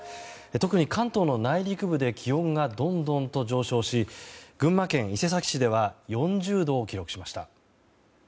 特に関東の内陸部で気温がどんどんと上昇し群馬県伊勢崎市では４０度を記録しました。